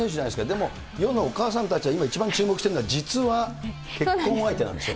でも世のお母さんたちが今、一番注目しているのは実は結婚相手なんでしょ？